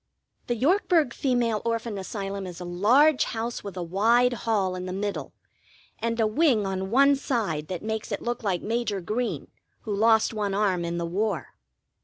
The Yorkburg Female Orphan Asylum is a large house with a wide hall in the middle, and a wing on one side that makes it look like Major Green, who lost one arm in the war.